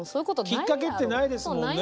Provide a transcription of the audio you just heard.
きっかけってないですもんね